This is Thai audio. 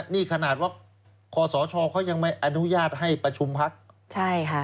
นี่ขนาดว่าคอสชเขายังไม่อนุญาตให้ประชุมพักใช่ค่ะ